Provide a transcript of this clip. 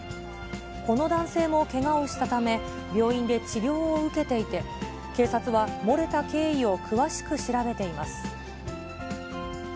この男性もけがをしたため、病院で治療を受けていて、警察は、漏れた経緯を詳しく調べています。